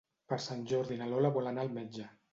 Per Sant Jordi na Lola vol anar al metge.